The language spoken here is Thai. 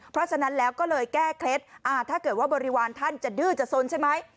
เพราะฉะนั้นก็เลยแก้ตรฤทธิ์ถ้าเกิดบริวารท่านจะดื้อจะสนใช่ไหม